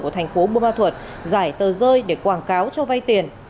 của thành phố bô ma thuật giải tờ rơi để quảng cáo cho vay tiền